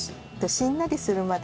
しんなりするまで。